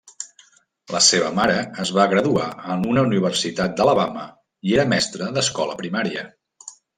La seva mare es va graduar en una universitat d'Alabama i era mestra d'escola primària.